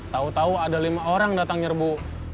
tahu tahu ada lima orang datang nyerbu